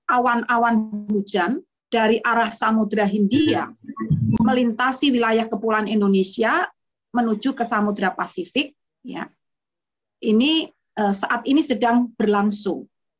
awan awan hujan dari arah samudera hindia melintasi wilayah kepulauan indonesia menuju ke samudera pasifik ini saat ini sedang berlangsung